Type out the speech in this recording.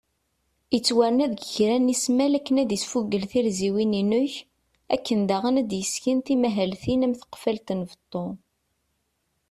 Ittwarna deg kra n ismal akken ad isfuγel tirziwin inek , akken daγen ad d-yesken timahaltin am tqefalt n beṭṭu